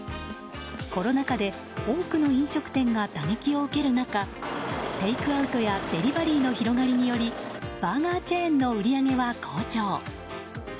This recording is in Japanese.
コロナ禍で多くの飲食店が打撃を受ける中テイクアウトやデリバリーの広がりによりバーガーチェーンの売り上げは好調。